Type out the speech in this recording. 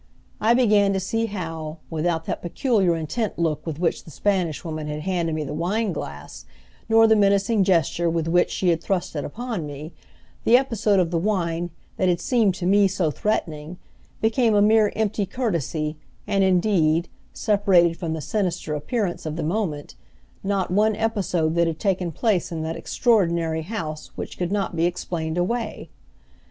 I began to see how, without that peculiar intent look with which the Spanish Woman had handed me the wine glass, nor the menacing gesture with which she had thrust it upon me, the episode of the wine that had seemed to me so threatening became a mere empty courtesy; and indeed, separated from the sinister appearance of the moment, not one episode that had taken place in that extraordinary house which could not be explained away!